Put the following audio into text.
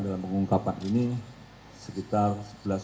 dalam pengungkapan ini sekitar